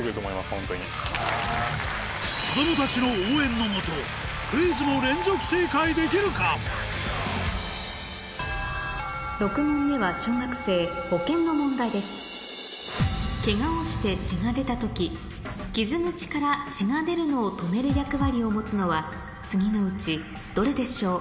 のもとクイズも６問目は小学生保健の問題ですケガをして血が出た時傷口から血が出るのを止める役割を持つのは次のうちどれでしょう？